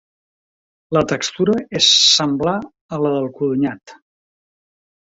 La textura és semblar a la del codonyat.